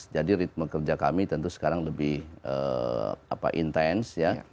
jadi ritme kerja kami tentu sekarang lebih intens